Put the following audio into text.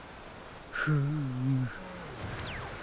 フーム。